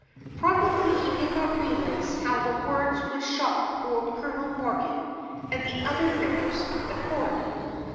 Probably he did not realize how the words would shock old Colonel Morgan and the other members of the court.